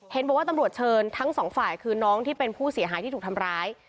เห็นบอกว่าตำรวจเชิญทั้งสองฝ่ายคือน้องที่เป็นผู้เสียหายที่ถูกทำร้าย